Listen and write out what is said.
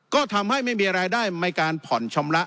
ก็ทำให้ไม่มีรายได้ในการผ่อนชำระ